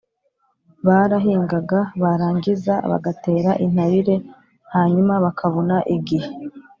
Barahingaga barangiza bagatera intabire, hanyuma bakabona igihe